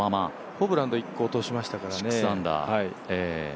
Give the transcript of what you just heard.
ホブランドが１個落としましたからね。